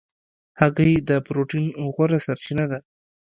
هګۍ د پروټین غوره سرچینه ده.